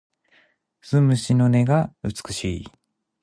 鈴虫の音が美しく